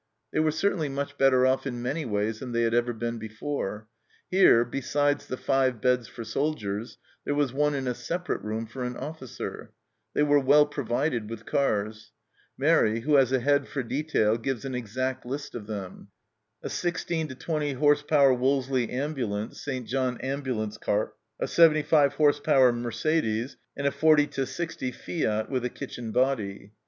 They were certainly much better off in many ways than they had ever been before. Here, besides the five beds for soldiers, there was one in a separate room for an officer. They were well provided with cars. Mairi, who has a head for detail, gives an exact list of them :" A 16 20 h.p. Wolseley ambulance (St. John Ambulance car), a 75 h.p. Mercedes, and a 40 60 Fiat with a kitchen body."